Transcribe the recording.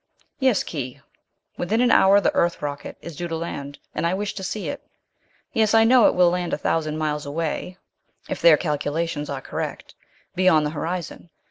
"Yes, Khee. Within an hour the Earth rocket is due to land, and I wish to see it. Yes, I know, it will land a thousand miles away, if their calculations are correct. Beyond the horizon.